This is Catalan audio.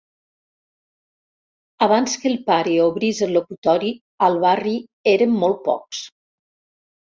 Abans que el pare obrís el locutori al barri érem molt pocs.